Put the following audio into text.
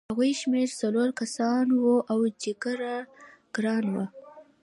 د هغوی شمېر څلور کسان وو او جګړه ګرانه وه